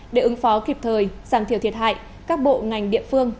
để ứng phó kịp thời giảm thiểu thiệt hại các bộ ngành địa phương